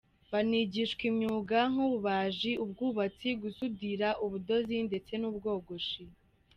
Banigishwa imyuga nk’ububaji, ubwubatsi, gusudira, ubudozi ndetse n’ubwogoshi.